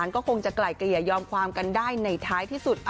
ก็อย่ายอมความกันได้ในท้ายที่สุด